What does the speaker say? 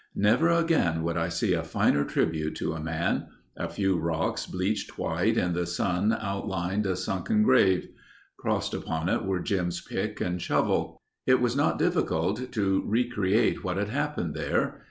Never again would I see a finer tribute to man. A few rocks bleached white in the sun outlined a sunken grave. Crossed upon it were Jim's pick and shovel. It was not difficult to recreate what had happened there.